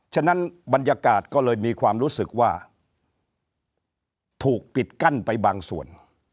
ฉะนั้นบรรยากาศก็เลยมีความรู้สึกว่าถูกปิดกั้นไปบางส่วน